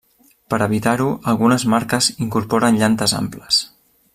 Per a evitar-ho, algunes marques incorporen llantes amples.